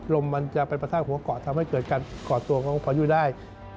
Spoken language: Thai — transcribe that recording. ลมมันจะไปประทะหัวเกาะทำให้เกิดการก่อตัวของพายุได้